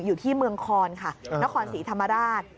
อยู่ที่เมืองคอนค่ะนครศรีธรรมราช